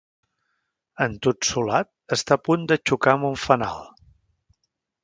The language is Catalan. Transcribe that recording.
Entotsolat, està a punt de xocar amb un fanal.